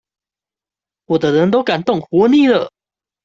我的人都敢動，活膩了？